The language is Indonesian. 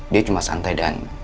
dia cuma santai dan